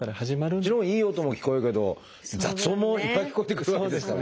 もちろんいい音も聞こえるけど雑音もいっぱい聞こえてくるわけですからね。